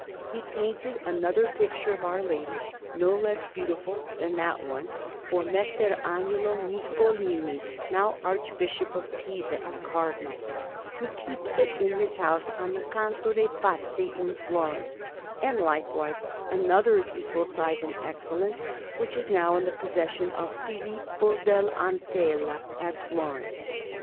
He painted another picture of Our Lady, no less beautiful than that one, for Messer Agnolo Niccolini, now Archbishop of Pisa and a Cardinal, who keeps it in his house on the Canto de' Pazzi in Florence; and likewise another, of equal size and excellence, which is now in the possession of Filippo dell' Antella, at Florence.